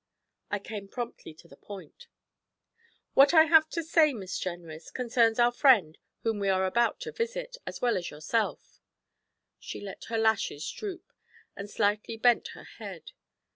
I came promptly to the point. 'What I have to say, Miss Jenrys, concerns our friend whom we are about to visit, as well as yourself.' She let her lashes droop, and slightly bent her head.